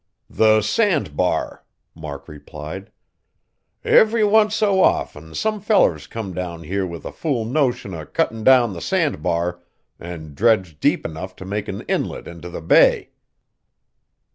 "The sand bar," Mark replied. "Every once so often some fellers come down here with a fool notion o' cuttin' down the sand bar, an' dredge deep enough to make a inlet int' the bay."